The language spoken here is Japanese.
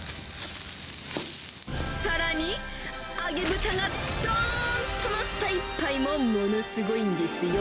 さらに、揚げ豚がどーんと載った一杯も、ものすごいんですよ。